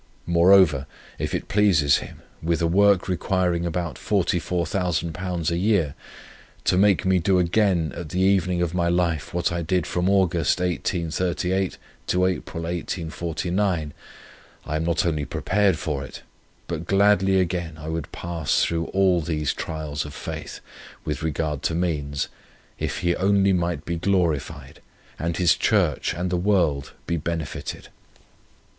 Moreover, if it pleases Him, with a work requiring about £44,000 a year, to make me do again at the evening of my life, what I did from August, 1838, to April, 1849, I am not only prepared for it, but gladly again I would pass through all these trials of faith, with regard to means, if He only might be glorified, and His church and the world be benefited.